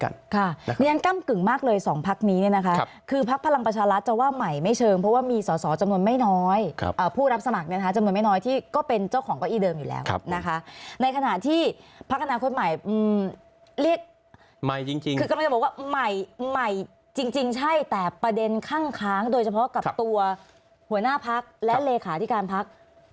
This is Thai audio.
ในขณะที่ภาคอนาคตใหม่เรียกใหม่จริงแต่ประเด็นข้างโดยเฉพาะกับตัวหัวหน้าพักและเลขาที่การพัก